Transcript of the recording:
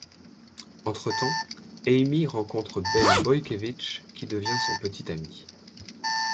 Entretemps, Amy rencontre Ben Boykewich qui devient son petit ami.